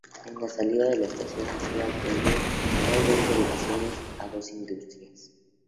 En la salida de la estación hacia Payerne hay dos derivaciones a dos industrias.